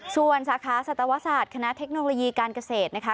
ส่วนสาขาสัตวศาสตร์คณะเทคโนโลยีการเกษตรนะคะ